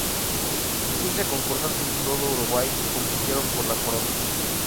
Quince concursantes de todo Uruguay compitieron por la corona.